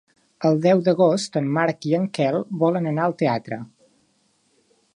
El deu d'agost en Marc i en Quel volen anar al teatre.